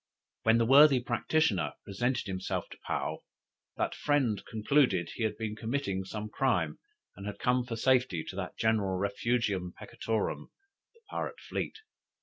When the worthy practitioner presented himself to Paou, that friend concluded he had been committing some crime, and had come for safety to that general refugium peccatorum, the pirate fleet.